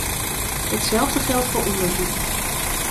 Hetzelfde geldt voor onderzoek.